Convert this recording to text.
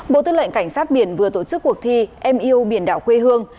bộ tư lệnh cảnh sát biển vừa tổ chức cuộc thi em yêu biển đảo quê hương